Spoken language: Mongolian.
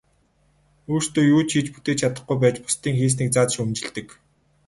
Өөрсдөө юу ч хийж бүтээж чадахгүй байж бусдын хийснийг зад шүүмжилдэг.